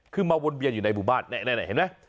คือมาวนเวียนอยู่ในหมู่บ้านนี่เห็นไหม